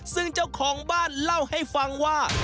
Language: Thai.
ซึ่งเจ้าของบ้านเล่าให้ฟังว่า